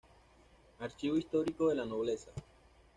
Archivo Histórico de la Nobleza.